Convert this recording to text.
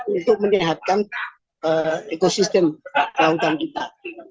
untuk menyehatkan ekosistem kelautan kita